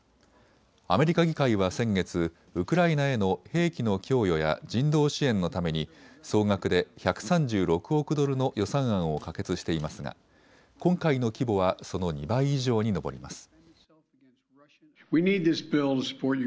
アメリカ議会は先月、ウクライナへの兵器の供与や人道支援のために総額で１３６億ドルの予算案を可決していますが今回の規模はその２倍以上に上ります。